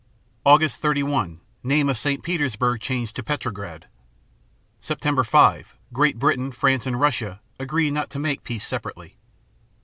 Aug. 31 Name of St. Petersburg changed to Petrograd. Sept. 5 Great Britain, France, and Russia agree not to make peace separately.